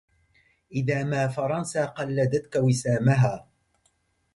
إذا ما فرنسا قلدتك وسامها